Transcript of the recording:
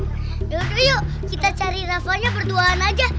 ayo ya yuk kita cari rafanya berduaan aja